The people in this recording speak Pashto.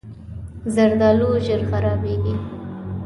زردالو ژر خرابېږي.